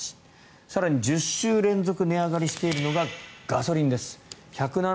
更に、１０週連続値上がりしているのがガソリンです。